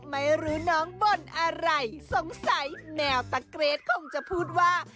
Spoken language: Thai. ไม่รู้น้องบ่นอะไรสงสัยแมวตะเกรดคงจะพูดว่า